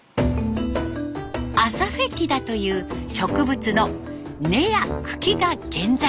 アサフェティダという植物の根や茎が原材料。